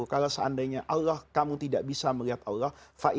kalau seandainya allah kamu tidak bisa melihat allah